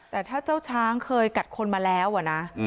แต่ถ้าเจ้าช้างเคยกัดคนมาแล้วอะนะ